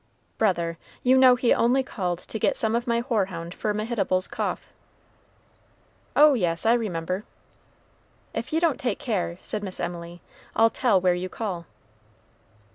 "Brother, you know he only called to get some of my hoarhound for Mehitable's cough." "Oh, yes, I remember." "If you don't take care," said Miss Emily, "I'll tell where you call."